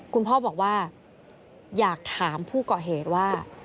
คุณพ่อบอกว่าอยากถามผู้ก่อเหตุว่า